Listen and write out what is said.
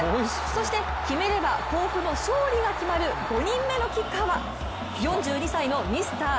そして決めれば甲府の勝利が決まる５人目のキッカーは４２歳のミスター